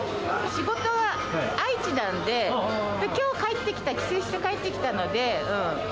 仕事は愛知なんで、きょう、帰ってきた、帰省して帰ってきたので。